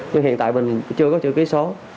nhưng hiện tại mình chưa có chữ ký số